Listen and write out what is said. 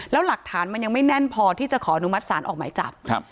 แล้วหลักฐานมันยังไม่แน่นพอที่จะขออนุมัติศาลออกหมายจับครับ